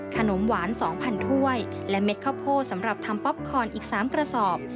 ขนมหวาน๒๐๐ถ้วยและเม็ดข้าวโพดสำหรับทำป๊อปคอนอีก๓กระสอบ